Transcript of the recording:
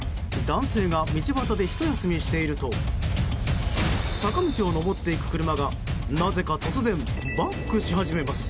男性が、道端でひと休みしていると坂道を上っていく車がなぜか突然バックし始めます。